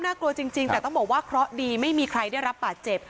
กลัวจริงแต่ต้องบอกว่าเคราะห์ดีไม่มีใครได้รับบาดเจ็บ